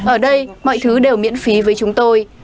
ở đây mọi thứ đều miễn phí với chúng tôi